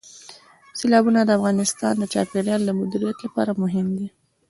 سیلابونه د افغانستان د چاپیریال د مدیریت لپاره مهم دي.